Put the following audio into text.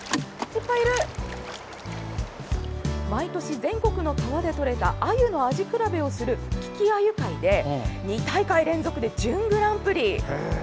毎年、全国の川でとれたアユの味比べをする利きアユ会で２大会連続で、準グランプリ。